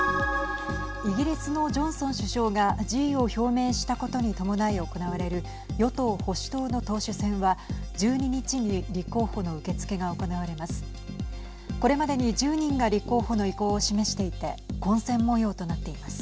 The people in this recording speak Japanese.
イギリスのジョンソン首相が辞意を表明したことに伴い行われる与党・保守党の党首選は１２日に立候補の受け付けが行われます。